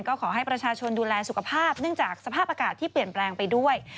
ก็ขอให้ประชาชนดูแลสุขภาพเนื่องจากสภาพอากาศที่เปลี่ยนแปลงไปด้วย